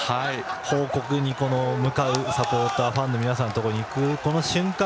報告に向かうサポーター、ファンの皆さんのところに行くこの瞬間。